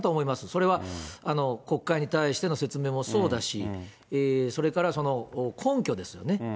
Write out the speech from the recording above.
それは国会に対しての説明もそうだし、それから、根拠ですよね。